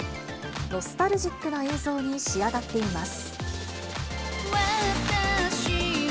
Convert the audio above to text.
ノスタルジックな映像に仕上がっています。